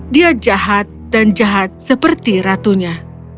dia jahat dan jahat seperti ratunya